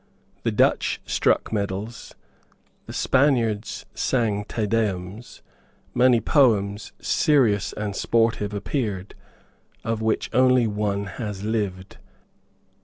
The Dutch struck medals. The Spaniards sang Te Deums. Many poems, serious and sportive, appeared, of which one only has lived.